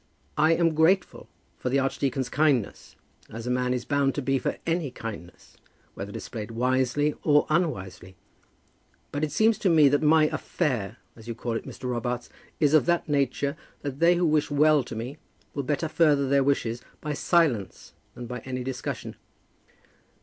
"I am grateful for the archdeacon's kindness, as a man is bound to be for any kindness, whether displayed wisely or unwisely. But it seems to me that my affair, as you call it, Mr. Robarts, is of that nature that they who wish well to me will better further their wishes by silence than by any discussion."